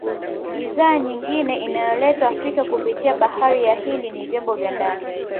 Bidhaa nyingine inayoletwa Afrika kupitia bahari ya Hindi ni vyombo vya ndani